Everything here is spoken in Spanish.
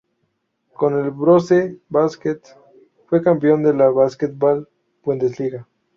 Con el Brose Baskets fue campeón de la Basketball Bundesliga.